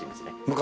昔？